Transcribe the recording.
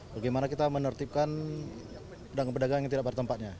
bagaimana kita menertibkan pedagang pedagang yang tidak pada tempatnya